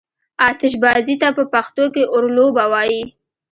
آتشبازي ته په پښتو کې اورلوبه وايي.